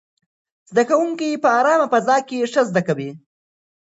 زده کوونکي په ارامه فضا کې ښه زده کوي.